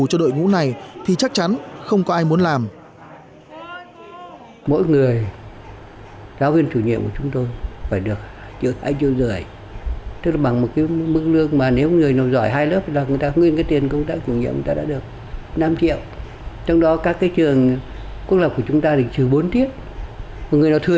cho đội ngũ này thì chắc chắn không có ai muốn làm